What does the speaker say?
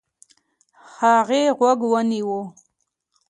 هغې غوږ ونيو.